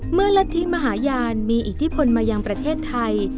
เมื่อรัฐธีมหาญาณมีอิทธิพลมาอย่างประตาธิ์ไทย